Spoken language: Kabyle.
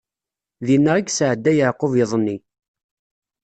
Dinna i yesɛedda Yeɛqub iḍ-nni.